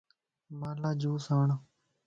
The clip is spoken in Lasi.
مان لا جوس آڻ